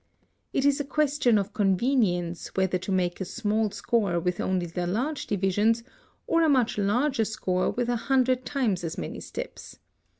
It is a question of convenience whether to make a small score with only the large divisions, or a much larger score with a hundred times as many steps.